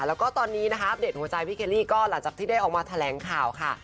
แล้วก็ตอนนี้นะคะอัปเดตหัวใจพี่เคลลี่ก็หลังจากที่ได้ออกมาแถลงข่าวค่ะ